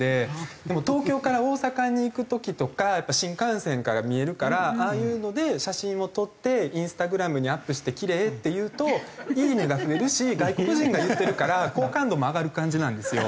でも東京から大阪に行く時とか新幹線から見えるからああいうので写真を撮ってＩｎｓｔａｇｒａｍにアップしてキレイっていうと「いいね」が増えるし外国人が言ってるから好感度も上がる感じなんですよ。